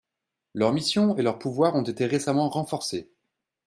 Leurs missions et leurs pouvoirs ont été récemment renforcés.